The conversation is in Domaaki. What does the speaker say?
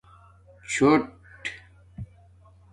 څُݸٹ